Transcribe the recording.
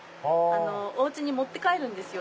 おうちに持って帰るんですよ